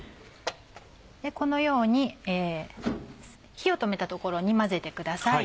このように火を止めたところに混ぜてください。